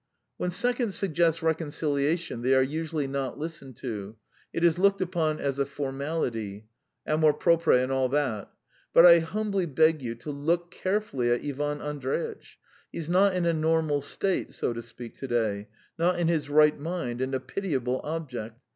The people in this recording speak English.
"When seconds suggest reconciliation they are usually not listened to; it is looked upon as a formality. Amour propre and all that. But I humbly beg you to look carefully at Ivan Andreitch. He's not in a normal state, so to speak, to day not in his right mind, and a pitiable object.